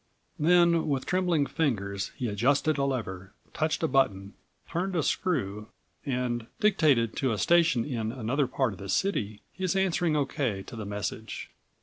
Then, with trembling fingers, he adjusted a lever, touched a button, turned a screw and dictated to a station in another part of the city his answering O.K. to the message.